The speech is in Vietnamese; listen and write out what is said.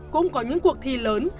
cũng có những cuộc thi lớn